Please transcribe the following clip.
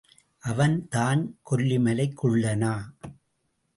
அவன் தான் கொல்லிமலைக் குள்ளனா?